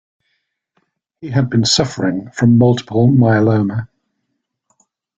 He had been suffering from multiple myeloma.